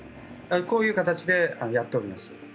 こういう形でやっております。